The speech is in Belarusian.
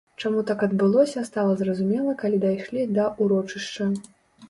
Чаму так адбылося, стала зразумела, калі дайшлі да ўрочышча.